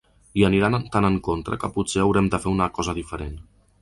Hi aniran tan en contra que potser haurem de fer una cosa diferent.